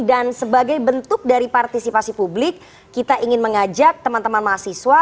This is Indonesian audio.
dan sebagai bentuk dari partisipasi publik kita ingin mengajak teman teman mahasiswa